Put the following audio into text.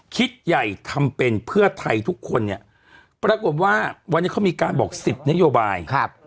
คิดใหญ่ทำเป็นเพื่อไทยทุกคนเนี่ยปรากฏว่าวันนี้เขามีการบอกสิบนโยบายครับ